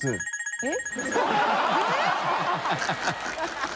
えっ！